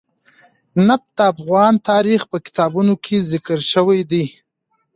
نفت د افغان تاریخ په کتابونو کې ذکر شوی دي.